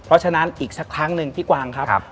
เพราะฉะนั้นอีกสักครั้งหนึ่งพี่กวางครับ